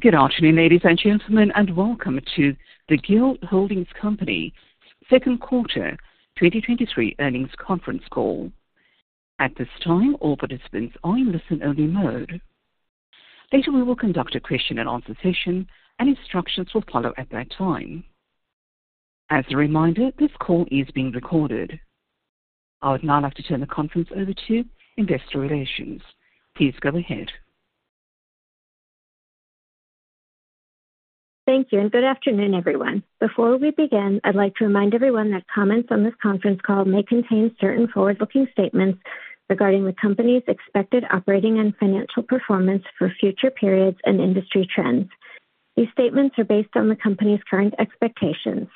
Good afternoon, ladies and gentlemen, and welcome to the Guild Holdings Company Second Quarter 2023 Earnings Conference Call. At this time, all participants are in listen-only mode. Later, we will conduct a question-and-answer session, and instructions will follow at that time. As a reminder, this call is being recorded. I would now like to turn the conference over to Investor Relations. Please go ahead. Thank you, and good afternoon, everyone. Before we begin, I'd like to remind everyone that comments on this conference call may contain certain forward-looking statements regarding the company's expected operating and financial performance for future periods and industry trends. These statements are based on the company's current expectations.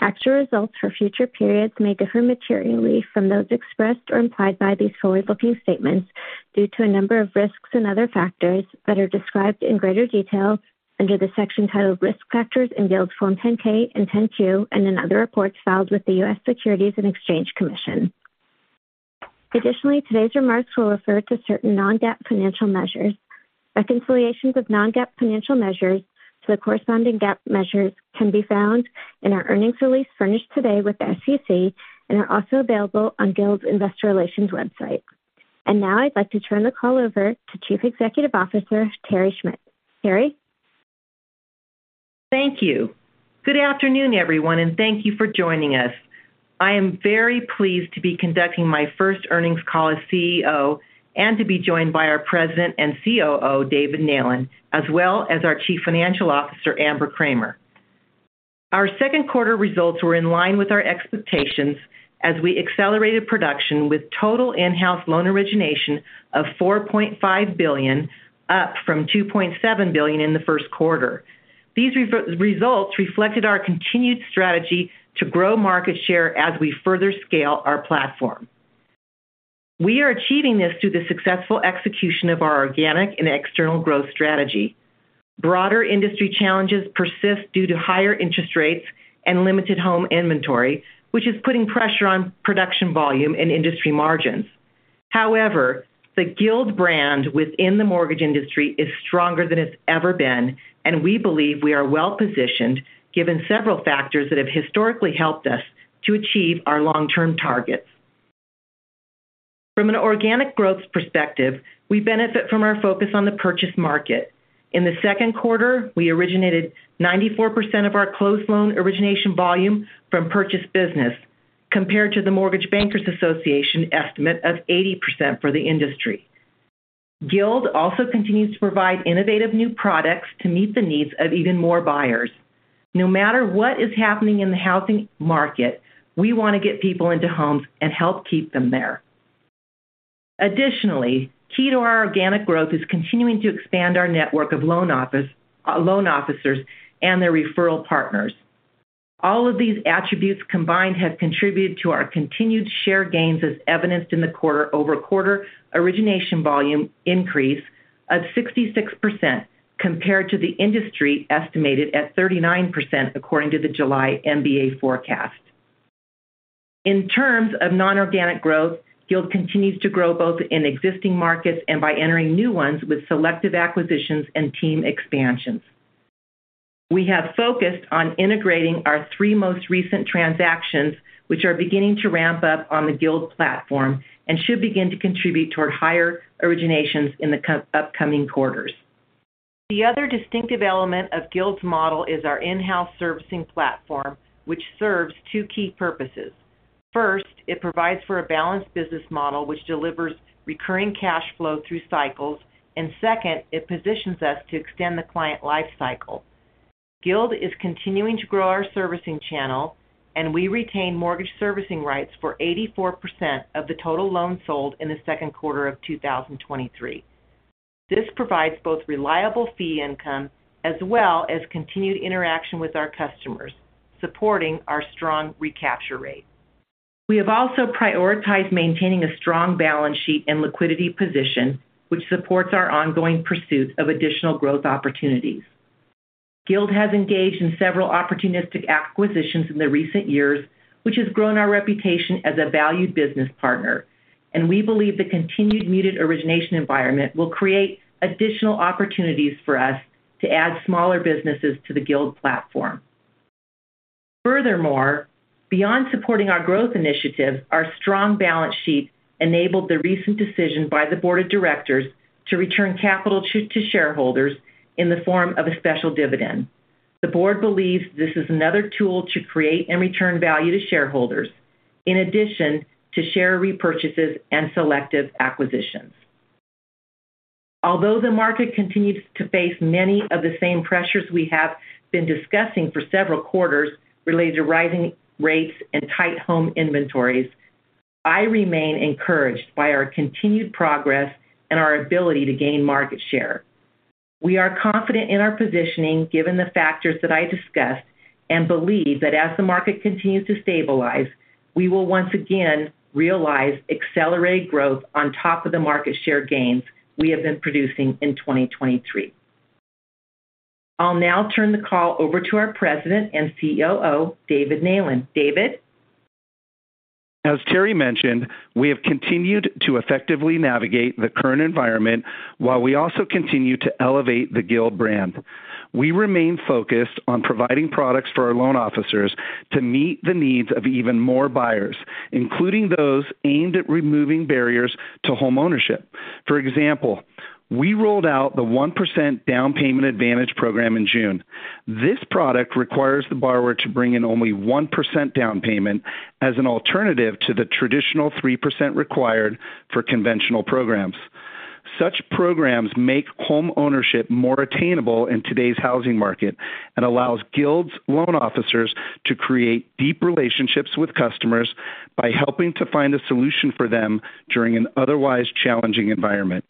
Actual results for future periods may differ materially from those expressed or implied by these forward-looking statements due to a number of risks and other factors that are described in greater detail under the section titled Risk Factors in Guild's Form 10-K and 10-Q and in other reports filed with the U.S. Securities and Exchange Commission. Additionally, today's remarks will refer to certain non-GAAP financial measures. Reconciliations of non-GAAP financial measures to the corresponding GAAP measures can be found in our earnings release furnished today with the SEC and are also available on Guild's Investor Relations website. Now I'd like to turn the call over to Chief Executive Officer, Terry Schmidt. Terry? Thank you. Good afternoon, everyone, and thank you for joining us. I am very pleased to be conducting my first earnings call as CEO and to be joined by our President and COO, David Neylan, as well as our Chief Financial Officer, Amber Kramer. Our second quarter results were in line with our expectations as we accelerated production with total in-house loan origination of $4.5 billion, up from $2.7 billion in the first quarter. These results reflected our continued strategy to grow market share as we further scale our platform. We are achieving this through the successful execution of our organic and external growth strategy. Broader industry challenges persist due to higher interest rates and limited home inventory, which is putting pressure on production volume and industry margins. However, the Guild brand within the mortgage industry is stronger than it's ever been, and we believe we are well-positioned, given several factors that have historically helped us to achieve our long-term targets. From an organic growth perspective, we benefit from our focus on the purchase market. In the second quarter, we originated 94% of our closed loan origination volume from purchase business, compared to the Mortgage Bankers Association estimate of 80% for the industry. Guild also continues to provide innovative new products to meet the needs of even more buyers. No matter what is happening in the housing market, we want to get people into homes and help keep them there. Additionally, key to our organic growth is continuing to expand our network of loan office, loan officers and their referral partners. All of these attributes combined have contributed to our continued share gains, as evidenced in the quarter-over-quarter origination volume increase of 66%, compared to the industry, estimated at 39%, according to the July MBA forecast. In terms of non-organic growth, Guild continues to grow both in existing markets and by entering new ones with selective acquisitions and team expansions. We have focused on integrating our three most recent transactions, which are beginning to ramp up on the Guild platform and should begin to contribute toward higher originations in the upcoming quarters. The other distinctive element of Guild's model is our in-house servicing platform, which serves two key purposes. First, it provides for a balanced business model, which delivers recurring cash flow through cycles. Second, it positions us to extend the client life cycle. Guild is continuing to grow our servicing channel, and we retain mortgage servicing rights for 84% of the total loans sold in the second quarter of 2023. This provides both reliable fee income as well as continued interaction with our customers, supporting our strong recapture rate. We have also prioritized maintaining a strong balance sheet and liquidity position, which supports our ongoing pursuit of additional growth opportunities. Guild has engaged in several opportunistic acquisitions in the recent years, which has grown our reputation as a valued business partner, and we believe the continued muted origination environment will create additional opportunities for us to add smaller businesses to the Guild platform. Furthermore, beyond supporting our growth initiatives, our strong balance sheet enabled the recent decision by the board of directors to return capital to shareholders in the form of a special dividend. The board believes this is another tool to create and return value to shareholders, in addition to share repurchases and selective acquisitions. Although the market continues to face many of the same pressures we have been discussing for several quarters related to rising rates and tight home inventories, I remain encouraged by our continued progress and our ability to gain market share. We are confident in our positioning, given the factors that I discussed, and believe that as the market continues to stabilize, we will once again realize accelerated growth on top of the market share gains we have been producing in 2023. I'll now turn the call over to our President and COO, David Neylan. David? As Terry mentioned, we have continued to effectively navigate the current environment, while we also continue to elevate the Guild brand. We remain focused on providing products for our loan officers to meet the needs of even more buyers, including those aimed at removing barriers to homeownership. For example, we rolled out the 1% Down Payment Advantage program in June. This product requires the borrower to bring in only 1% down payment as an alternative to the traditional 3% required for conventional programs. Such programs make homeownership more attainable in today's housing market and allows Guild's loan officers to create deep relationships with customers by helping to find a solution for them during an otherwise challenging environment.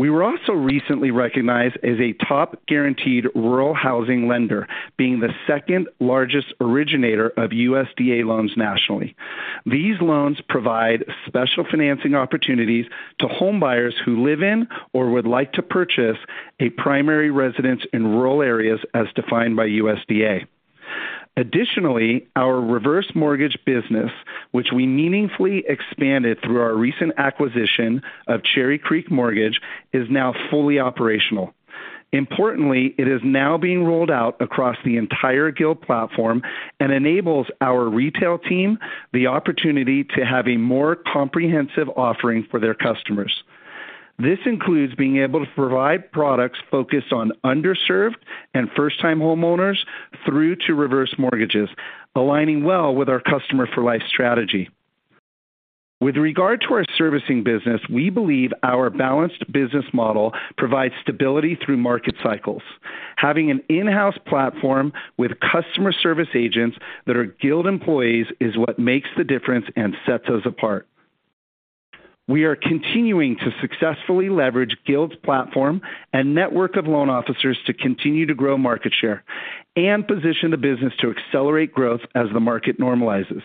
We were also recently recognized as a top Guaranteed Rural Housing Lender, being the second largest originator of USDA loans nationally. These loans provide special financing opportunities to homebuyers who live in or would like to purchase a primary residence in rural areas as defined by USDA. Additionally, our reverse mortgage business, which we meaningfully expanded through our recent acquisition of Cherry Creek Mortgage, is now fully operational. Importantly, it is now being rolled out across the entire Guild platform and enables our retail team the opportunity to have a more comprehensive offering for their customers. This includes being able to provide products focused on underserved and first-time homeowners through to reverse mortgages, aligning well with our customer for life strategy. With regard to our servicing business, we believe our balanced business model provides stability through market cycles. Having an in-house platform with customer service agents that are Guild employees is what makes the difference and sets us apart. We are continuing to successfully leverage Guild's platform and network of loan officers to continue to grow market share and position the business to accelerate growth as the market normalizes.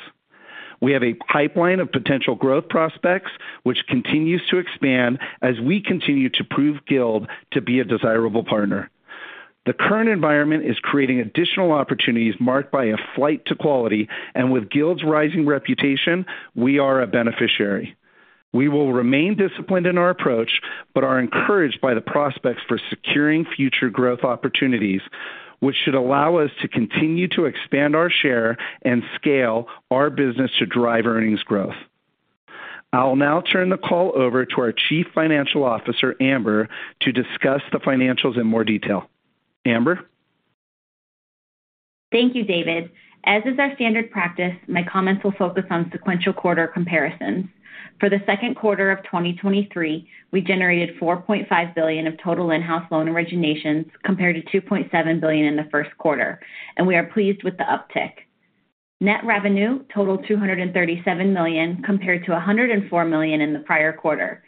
We have a pipeline of potential growth prospects, which continues to expand as we continue to prove Guild to be a desirable partner. The current environment is creating additional opportunities marked by a flight to quality, and with Guild's rising reputation, we are a beneficiary. We will remain disciplined in our approach, but are encouraged by the prospects for securing future growth opportunities, which should allow us to continue to expand our share and scale our business to drive earnings growth. I'll now turn the call over to our Chief Financial Officer, Amber, to discuss the financials in more detail. Amber? Thank you, David. As is our standard practice, my comments will focus on sequential quarter comparisons. For the second quarter of 2023, we generated $4.5 billion of total in-house loan originations, compared to $2.7 billion in the first quarter, and we are pleased with the uptick. Net revenue totaled $237 million, compared to $104 million in the prior quarter,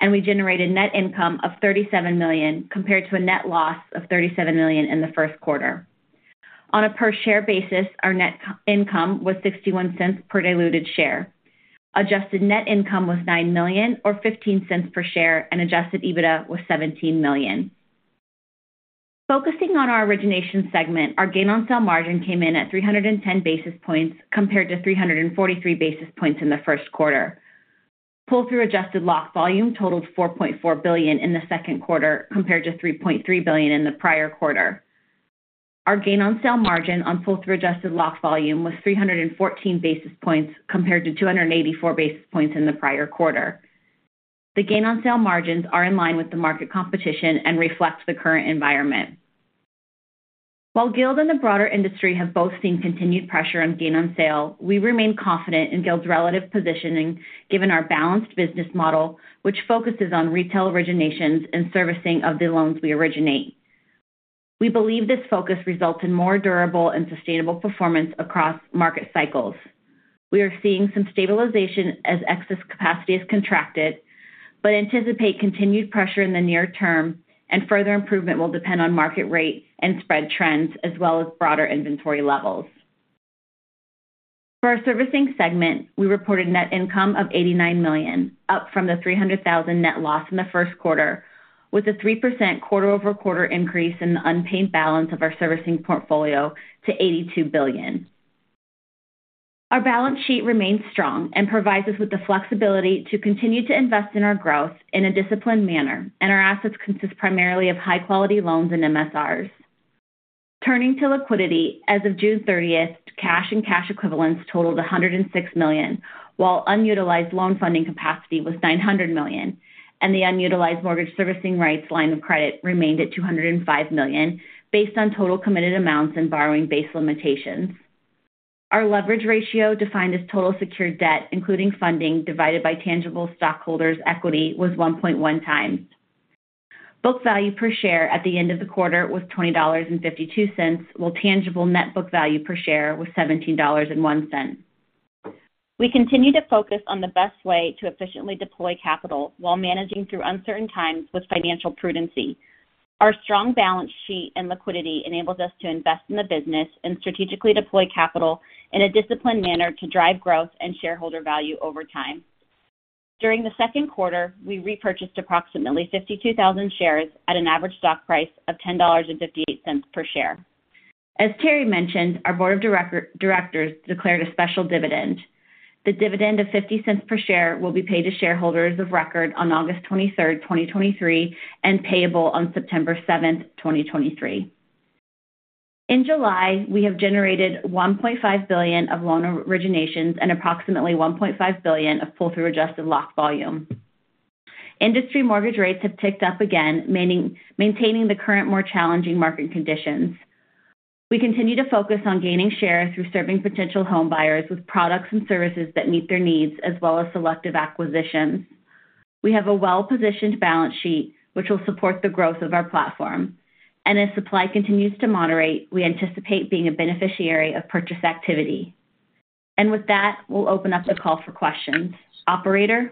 and we generated net income of $37 million, compared to a net loss of $37 million in the first quarter. On a per-share basis, our net income was $0.61 per diluted share. Adjusted net income was $9 million or $0.15 per share, and Adjusted EBITDA was $17 million. Focusing on our origination segment, our gain on sale margin came in at 310 basis points, compared to 343 basis points in the first quarter. Pull-through adjusted lock volume totaled $4.4 billion in the second quarter, compared to $3.3 billion in the prior quarter. Our gain on sale margin on pull-through adjusted lock volume was 314 basis points, compared to 284 basis points in the prior quarter. The gain on sale margins are in line with the market competition and reflect the current environment. While Guild and the broader industry have both seen continued pressure on gain on sale, we remain confident in Guild's relative positioning, given our balanced business model, which focuses on retail originations and servicing of the loans we originate. We believe this focus results in more durable and sustainable performance across market cycles. We are seeing some stabilization as excess capacity is contracted, but anticipate continued pressure in the near term, and further improvement will depend on market rate and spread trends, as well as broader inventory levels. For our servicing segment, we reported net income of $89 million, up from the $300,000 net loss in the first quarter, with a 3% quarter-over-quarter increase in the unpaid balance of our servicing portfolio to $82 billion. Our balance sheet remains strong and provides us with the flexibility to continue to invest in our growth in a disciplined manner, and our assets consist primarily of high-quality loans and MSRs. Turning to liquidity, as of June 30th, cash and cash equivalents totaled $106 million, while unutilized loan funding capacity was $900 million, and the unutilized Mortgage Servicing Rights line of credit remained at $205 million, based on total committed amounts and borrowing base limitations. Our leverage ratio, defined as total secured debt, including funding divided by tangible stockholders' equity, was 1.1 times. Book value per share at the end of the quarter was $20.52, while tangible net book value per share was $17.01. We continue to focus on the best way to efficiently deploy capital while managing through uncertain times with financial prudency. Our strong balance sheet and liquidity enables us to invest in the business and strategically deploy capital in a disciplined manner to drive growth and shareholder value over time. During the second quarter, we repurchased approximately 52,000 shares at an average stock price of $10.58 per share. As Terry mentioned, our board of directors declared a special dividend. The dividend of $0.50 per share will be paid to shareholders of record on August 23, 2023, and payable on September 7, 2023. In July, we have generated $1.5 billion of loan originations and approximately $1.5 billion of pull-through adjusted lock volume. Industry mortgage rates have ticked up again, maintaining the current, more challenging market conditions. We continue to focus on gaining share through serving potential homebuyers with products and services that meet their needs, as well as selective acquisitions. We have a well-positioned balance sheet, which will support the growth of our platform. As supply continues to moderate, we anticipate being a beneficiary of purchase activity. With that, we'll open up the call for questions. Operator?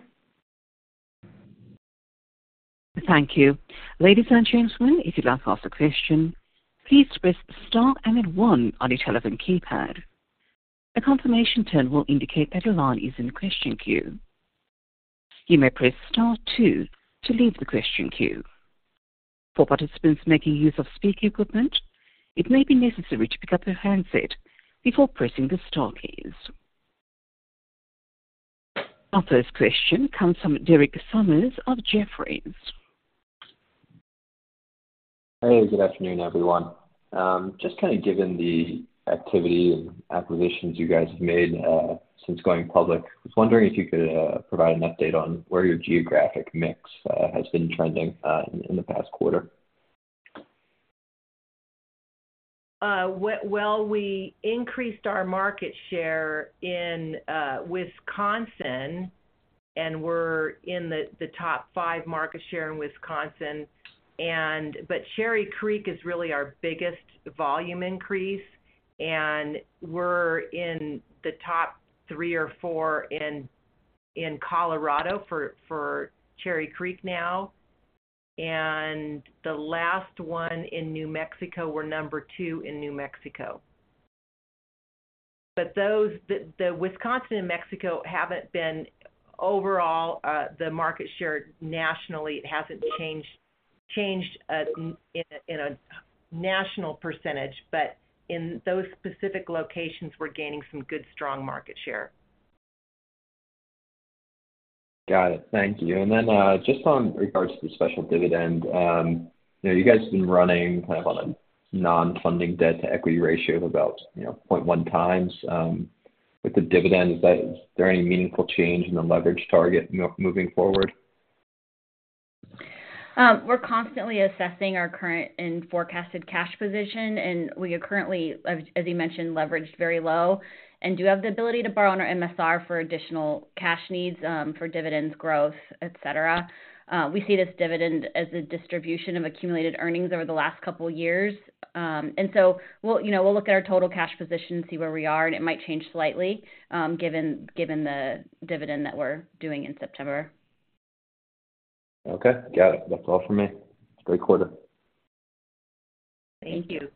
Thank you. Ladies and gentlemen, if you'd like to ask a question, please press star and then one on your telephone keypad. A confirmation tone will indicate that your line is in question queue. You may press star two to leave the question queue. For participants making use of speaker equipment, it may be necessary to pick up your handset before pressing the star keys. Our first question comes from Derek Sommers of Jefferies. Hey, good afternoon, everyone. Just kind of given the activity and acquisitions you guys have made since going public, I was wondering if you could provide an update on where your geographic mix has been trending in the past quarter. Well, well, we increased our market share in Wisconsin, and we're in the top five market share in Wisconsin. But Cherry Creek is really our biggest volume increase, and we're in the top three or four in Colorado for Cherry Creek now. The last one in New Mexico, we're number two in New Mexico. Those the Wisconsin and New Mexico haven't been overall the market share nationally, it hasn't changed, changed in a national percentage. But in those specific locations, we're gaining some good, strong market share. Got it. Thank you. Then, just on regards to the special dividend, you know, you guys have been running kind of on a non-funding debt-to-equity ratio of about, you know, 0.1x. With the dividend, is that there any meaningful change in the leverage target moving forward? We're constantly assessing our current and forecasted cash position, and we are currently, as, as you mentioned, leveraged very low and do have the ability to borrow on our MSR for additional cash needs for dividends, growth, et cetera. We see this dividend as a distribution of accumulated earnings over the last couple of years. We'll, you know, we'll look at our total cash position and see where we are, and it might change slightly, given, given the dividend that we're doing in September. Okay, got it. That's all for me. Great quarter. Thank you.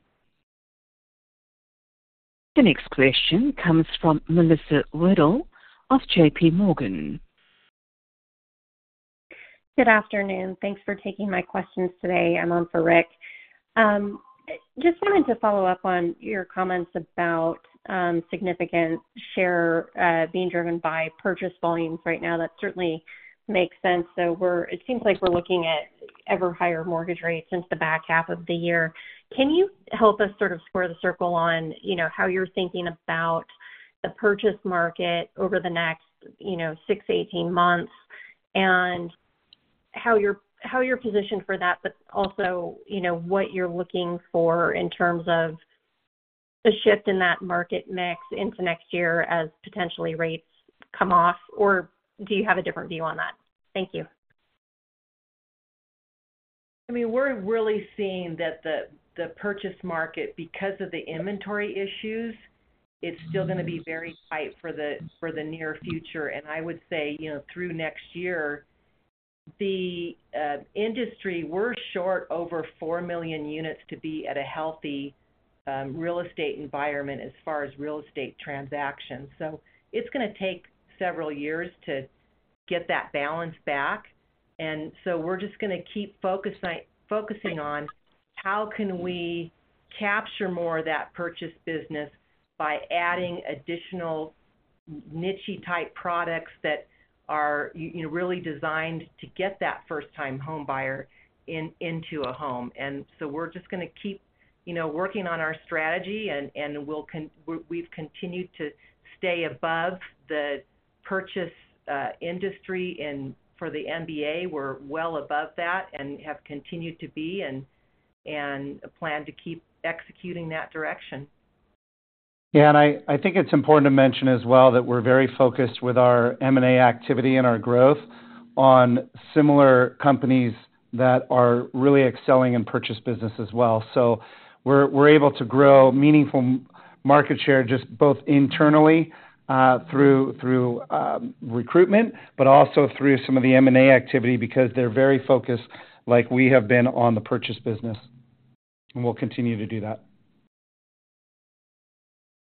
The next question comes from Melissa Wedel of JPMorgan. Good afternoon. Thanks for taking my questions today. I'm on for Rick. Just wanted to follow up on your comments about significant share being driven by purchase volumes right now. That certainly makes sense. It seems like we're looking at ever higher mortgage rates since the back half of the year. Can you help us sort of square the circle on, you know, how you're thinking about the purchase market over the next, you know, six to 18 months, and how you're, how you're positioned for that, but also, you know, what you're looking for in terms of the shift in that market mix into next year as potentially rates come off, or do you have a different view on that? Thank you. I mean, we're really seeing that the, the purchase market, because of the inventory issues, it's still going to be very tight for the, for the near future. I would say, you know, through next year, the industry, we're short over four million units to be at a healthy real estate environment as far as real estate transactions. It's going to take several years to get that balance back. We're just going to keep focusing on how can we capture more of that purchase business by adding additional niche-y type products that are, you know, really designed to get that first-time homebuyer in, into a home. We're just going to keep, you know, working on our strategy and, and we've continued to stay above the purchase industry. For the MBA, we're well above that and have continued to be and, and plan to keep executing that direction. Yeah, I, I think it's important to mention as well that we're very focused with our M&A activity and our growth on similar companies that are really excelling in purchase business as well. We're, we're able to grow meaningful market share, just both internally, through, through recruitment, but also through some of the M&A activity, because they're very focused, like we have been on the purchase business, and we'll continue to do that....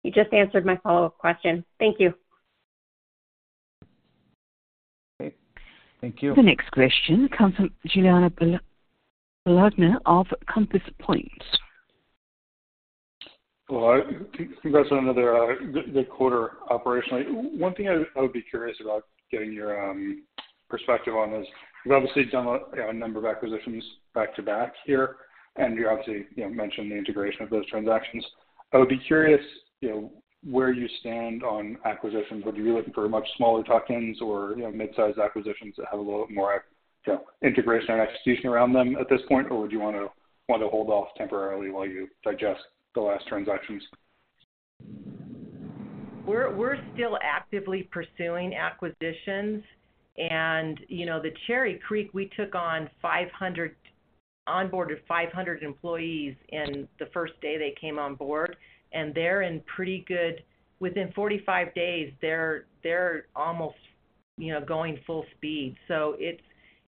You just answered my follow-up question. Thank you. Okay, thank you. The next question comes from Giuliano Bologna of Compass Point. Hello. Congrats on another good, good quarter operationally. One thing I, I would be curious about getting your perspective on is, you've obviously done a, you know, a number of acquisitions back-to-back here, and you obviously, you know, mentioned the integration of those transactions. I would be curious, you know, where you stand on acquisitions. Would you be looking for much smaller tuck-ins or, you know, mid-sized acquisitions that have a little bit more integration and execution around them at this point? Would you want to, want to hold off temporarily while you digest the last transactions? We're still actively pursuing acquisitions. You know, the Cherry Creek, we took on 500- onboarded 500 employees in the first day they came on board, and they're in pretty good. Within 45 days, they're almost, you know, going full speed. It's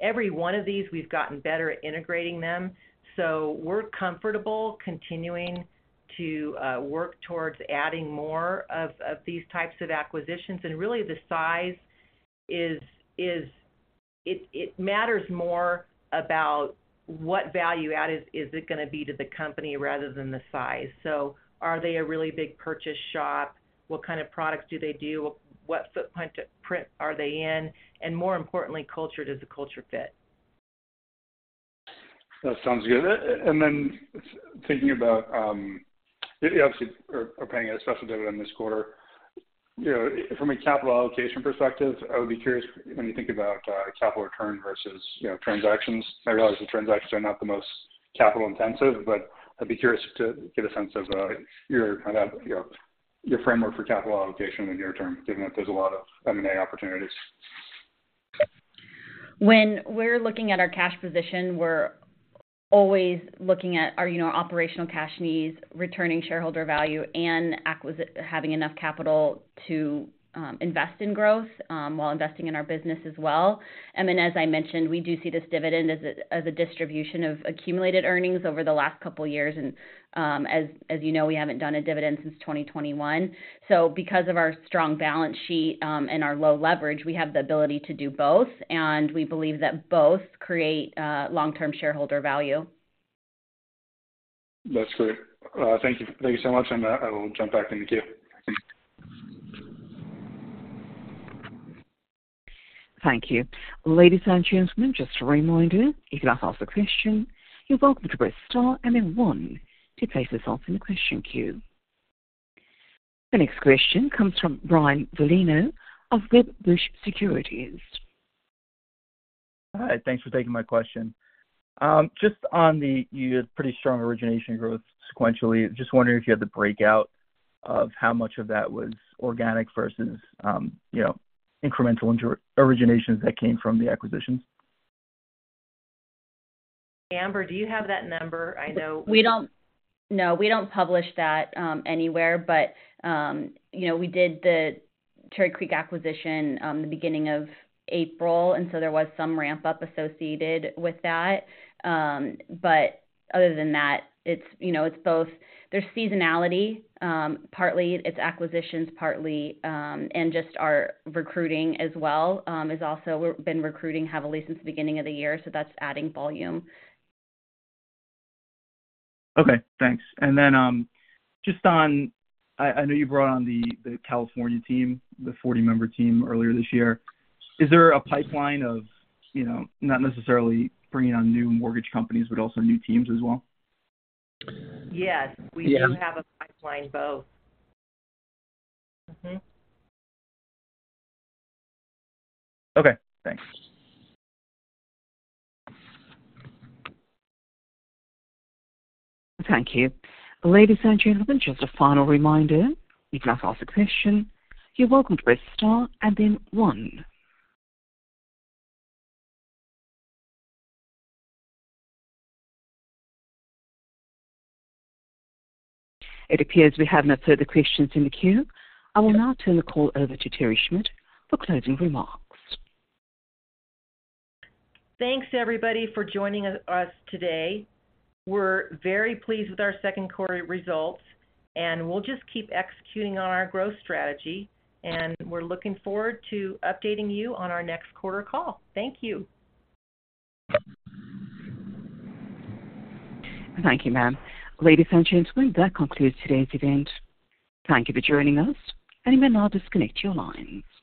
every one of these, we've gotten better at integrating them. We're comfortable continuing to work towards adding more of these types of acquisitions. Really, the size is, it matters more about what value add is it gonna be to the company rather than the size. Are they a really big purchase shop? What kind of products do they do? What footprint are they in? More importantly, culture, does the culture fit? That sounds good. Then thinking about, you obviously are, are paying a special dividend this quarter. You know, from a capital allocation perspective, I would be curious, when you think about, capital return versus, you know, transactions. I realize the transactions are not the most capital-intensive, but I'd be curious to get a sense of, your kind of, you know, your framework for capital allocation in the near term, given that there's a lot of M&A opportunities. When we're looking at our cash position, we're always looking at our operational cash needs, returning shareholder value, and having enough capital to invest in growth while investing in our business as well. As I mentioned, we do see this dividend as a distribution of accumulated earnings over the last couple of years. As you know, we haven't done a dividend since 2021. Because of our strong balance sheet and our low leverage, we have the ability to do both, and we believe that both create long-term shareholder value. That's great. Thank you. Thank you so much, and, I will jump back in the queue. Thanks. Thank you. Ladies and gentlemen, just a reminder, if you'd like to ask a question, you're welcome to press star and then one to place yourself in the question queue. The next question comes from Brian Violino of Wedbush Securities. Hi, thanks for taking my question. Just on the, you had pretty strong origination growth sequentially. Just wondering if you had the breakout of how much of that was organic versus, you know, incremental originations that came from the acquisitions? Amber, do you have that number? I know- We don't. No, we don't publish that anywhere, but, you know, we did the Cherry Creek acquisition the beginning of April, so there was some ramp-up associated with that. Other than that, it's, you know, it's both. There's seasonality, partly, it's acquisitions, partly, just our recruiting as well, has also we're been recruiting heavily since the beginning of the year, so that's adding volume. Okay, thanks. Then, I know you brought on the California team, the 40-member team, earlier this year. Is there a pipeline of, you know, not necessarily bringing on new mortgage companies, but also new teams as well? Yes. Yes. We do have a pipeline both. Mm-hmm. Okay, thanks. Thank you. Ladies and gentlemen, just a final reminder, if you'd like to ask a question, you're welcome to press star and then one. It appears we have no further questions in the queue. I will now turn the call over to Terry Schmidt for closing remarks. Thanks, everybody, for joining us today. We're very pleased with our second quarter results. We'll just keep executing on our growth strategy. We're looking forward to updating you on our next quarter call. Thank you. Thank you, ma'am. Ladies and gentlemen, that concludes today's event. Thank you for joining us, and you may now disconnect your lines.